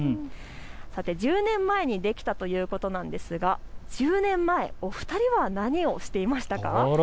さて１０年前にできたということですが、１０年前、お二人は何をしていましたか。